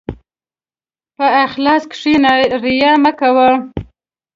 په اخلاص کښېنه، ریا مه کوه.